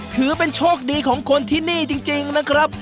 ถือเป็นโชคดีของคนที่นี่จริงนะครับ